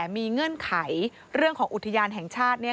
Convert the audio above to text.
มีเงื่อนไขเรื่องของอุทยานแห่งชาติ